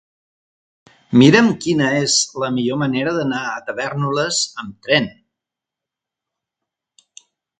Mira'm quina és la millor manera d'anar a Tavèrnoles amb tren.